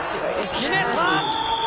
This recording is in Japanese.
決めた！